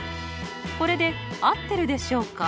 これで合ってるでしょうか？